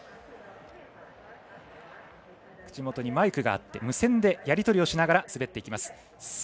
口元にマイクがあって無線でやり取りをしながら滑っていきます。